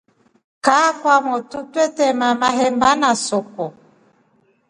Kaa kwamotu twetema maheba na soko.